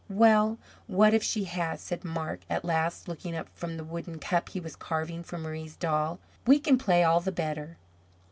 "Well, what if she has?" said Marc at last looking up from the wooden cup he was carving for Marie's doll. "We can play all the better."